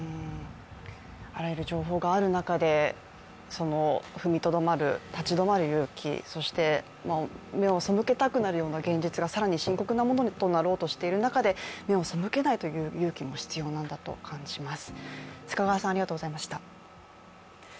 あらゆる情報がある中で踏みとどまる、立ち止まる勇気、そして、目をそむけたくなるような現実が更に深刻なものになろうとしている中で目を背けないという勇気も必要なんだと感じます。